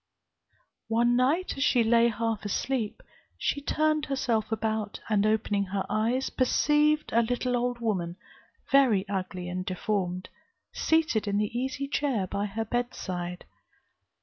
"One night, as she lay half asleep, she turned herself about, and opening her eyes, perceived a little old woman, very ugly and deformed, seated in the easy chair by her bedside.